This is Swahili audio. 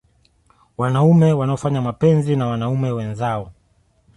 Wanaume wanaofanya mapenzi na wanaume wenzao